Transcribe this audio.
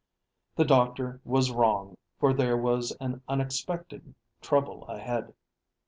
The doctor was wrong, for there was an unexpected trouble ahead.